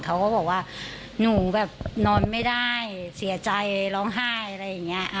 เขาก็บอกว่าหนูแบบนอนไม่ได้เสียใจร้องไห้อะไรอย่างนี้